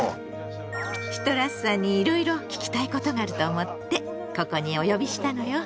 シトラスさんにいろいろ聞きたいことがあると思ってここにお呼びしたのよ。